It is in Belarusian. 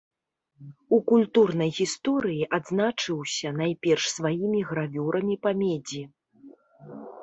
У культурнай гісторыі адзначыўся найперш сваімі гравюрамі па медзі.